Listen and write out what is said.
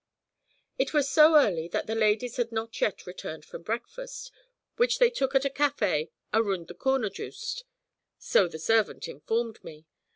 It was so early that the ladies had not yet returned from breakfast, which they took at a café "aroond the corner joost," so the servant informed me.